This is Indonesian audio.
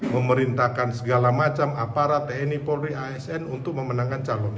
memerintahkan segala macam aparat tni polri asn untuk memenangkan calonnya